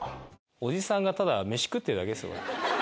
おじさんがただ飯食ってるだけですよ。